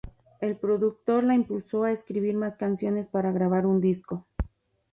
El productor la impulsó a escribir más canciones para grabar un disco.